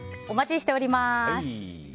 お待ちしております。